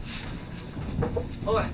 おい。